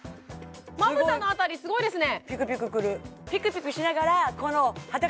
まぶたの辺りすごいですね